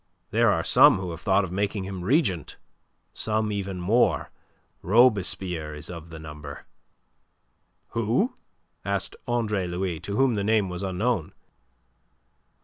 There are some who have thought of making him regent, some even more; Robespierre is of the number." "Who?" asked Andre Louis, to whom the name was unknown.